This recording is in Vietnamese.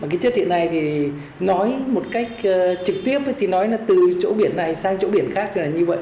mà cái chất hiện nay thì nói một cách trực tiếp thì nói là từ chỗ biển này sang chỗ biển khác là như vậy